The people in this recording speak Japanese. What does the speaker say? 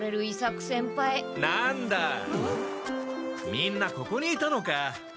みんなここにいたのか。